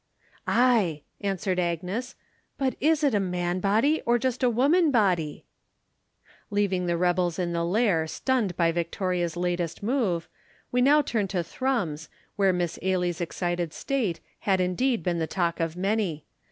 "Ay," answered Agnes, "but is't a man body, or just a woman body?" Leaving the rebels in the Lair stunned by Victoria's latest move, we now return to Thrums, where Miss Ailie's excited state had indeed been the talk of many.